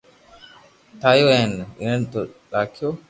ٺايو ھين اي ۾ ھيرن ني راکييو